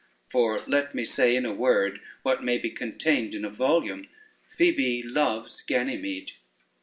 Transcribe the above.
For let me say in a word what may be contained in a volume, Phoebe loves Ganymede."